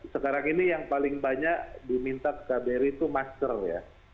sekarang ini yang paling banyak diminta kbri itu masker ya